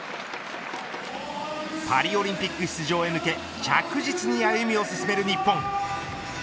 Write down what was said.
パリオリンピック出場へ向け着実に歩みを進める日本。